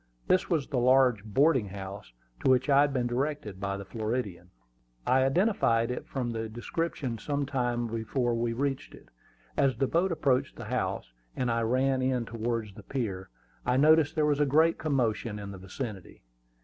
This was the large boarding house to which I had been directed by the Floridian. I identified it from his description some time before we reached it. As the boat approached the house, and I ran in towards the pier, I noticed there was a great commotion in the vicinity.